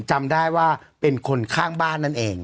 จำได้ว่าเป็นคนข้างบ้านนั่นเอง